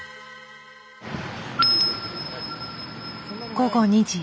午後２時。